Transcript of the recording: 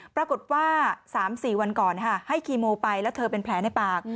ปรากฏว่า๓๔วันก่อนให้คีโมไปแล้วเธอเป็นแผลในปาก